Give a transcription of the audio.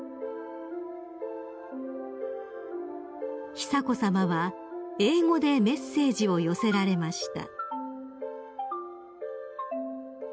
［久子さまは英語でメッセージを寄せられました］